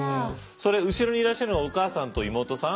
それ後ろにいらっしゃるのお母さんと妹さん？